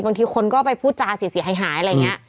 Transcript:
บางทีคนก็ไปพูดจาเสียหายอะไรอย่างนี้